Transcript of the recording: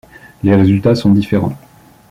Les résultats sont différents.